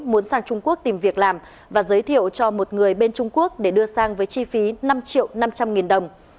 muốn sang trung quốc tìm việc làm và giới thiệu cho một người bên trung quốc để đưa sang với chi phí năm triệu năm trăm linh nghìn đồng